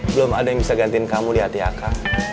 belum ada yang bisa gantiin kamu di hati ak